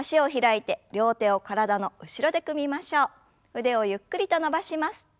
腕をゆっくりと伸ばします。